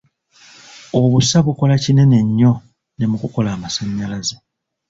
Obusa bukola kinene nnyo ne mu kukola amasannyalaze.